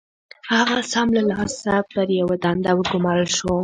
هغه سم له لاسه پر يوه دنده وګومارل شو.